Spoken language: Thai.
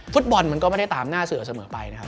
ฟุตบอลมันก็ไม่ได้ตามหน้าเสือเสมอไปนะครับ